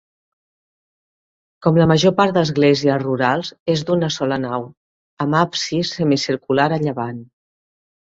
Com la major part d'esglésies rurals, és d'una sola nau, amb absis semicircular a llevant.